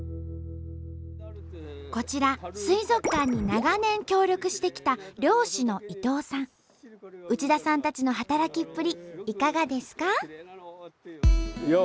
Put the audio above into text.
こちら水族館に長年協力してきた漁師の内田さんたちの働きっぷりいかがですか？